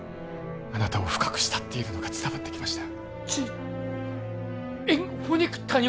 あなたを深く慕っているのが伝わってきました